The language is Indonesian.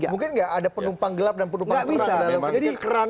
mungkin nggak ada penumpang gelap dan penumpang terang